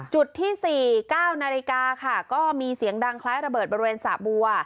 จุดที่๔๙นาฬิกาค่ะก็มีเสียงดังคล้ายระเบิดบริเวณสระบัว